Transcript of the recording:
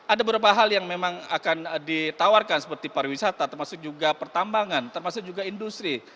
ada beberapa hal yang memang akan ditawarkan seperti pariwisata termasuk juga pertambangan termasuk juga industri